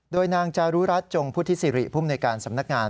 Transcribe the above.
โดยนางจารุรัฐจงพุทธิสิริภูมิในการสำนักงาน